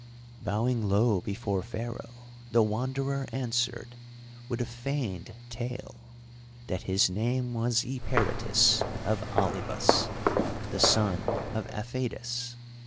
Bowing low before Pharaoh, the Wanderer answered, with a feigned tale, that his name was Eperitus of Alybas, the son of Apheidas.